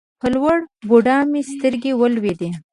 په لوړ بودا مې سترګې ولګېدې.